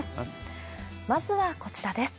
まずはこちらです。